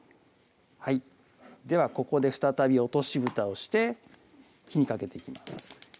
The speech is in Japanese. ではここで再び落としぶたをして火にかけていきます